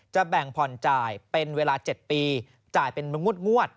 แบ่งผ่อนจ่ายเป็นเวลา๗ปีจ่ายเป็นงวด